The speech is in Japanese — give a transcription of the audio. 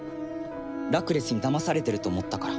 ラクレスにだまされてると思ったから。